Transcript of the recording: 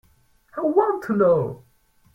I want to know.